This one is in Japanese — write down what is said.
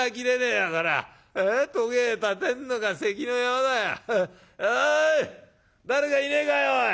おい誰かいねえかよ？